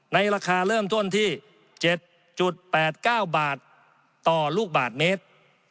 ในราคาเริ่มต้นที่เจ็ดจุดแปดเก้าบาทต่อลูกบาทเมตร